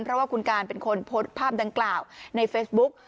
เพราะว่าคุณการเป็นคนโพสต์ภาพดังกล่าวในเฟซบุ๊ก